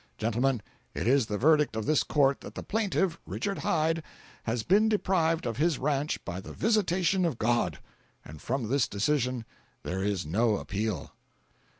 Gentlemen, it is the verdict of this court that the plaintiff, Richard Hyde, has been deprived of his ranch by the visitation of God! And from this decision there is no appeal."